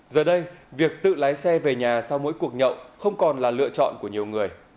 giờ đây việc tự lái xe về nhà sau mỗi cuộc nhậu không còn là lựa chọn của nhiều người